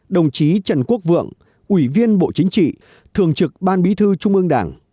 đồng chí trần quốc vượng ủy viên bộ chính trị thường trực ban bí thư trung ương đảng